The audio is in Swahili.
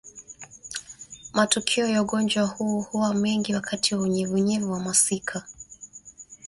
Matukio ya ugonjwa huu huwa mengi wakati wa unyevunyevu na masika